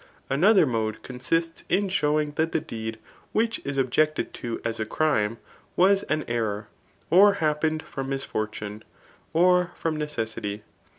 Another mode consists in showing ' that the deed [which is objected to as a crime^ was an error, or happened from misfortune, or from neces^ty.